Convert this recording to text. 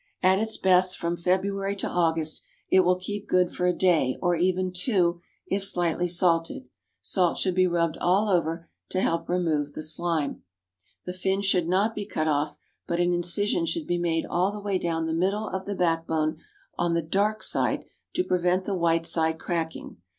At its best from February to August. It will keep good for a day, or even two, if slightly salted. Salt should be rubbed all over to help to remove the slime. The fins should not be cut off, but an incision should be made all the way down the middle of the backbone on the dark side to prevent the white side cracking.